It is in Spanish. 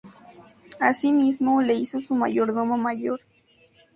Asimismo le hizo su Mayordomo mayor.